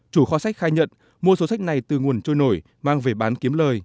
chủ kho sách khai nhận mua số sách này từ nguồn trôi nổi mang về bán kiếm lời